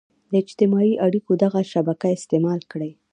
د اجتماعي اړيکو دغه شبکه استعمال کړي.